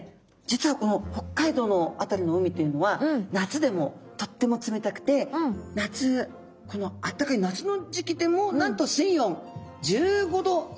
実はこの北海道の辺りの海というのは夏でもとっても冷たくて夏このあったかい夏の時期でもなんと水温１５度以下ということなんですね。